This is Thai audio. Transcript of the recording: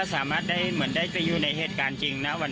สามารถได้เหมือนได้ไปอยู่ในเหตุการณ์จริงนะ